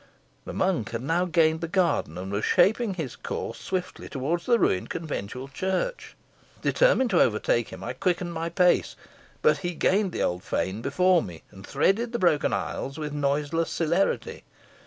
The monk had now gained the garden, and was shaping his course swiftly towards the ruined Conventual Church. Determined to overtake him, I quickened my pace; but he gained the old fane before me, and threaded the broken aisles with noiseless celerity.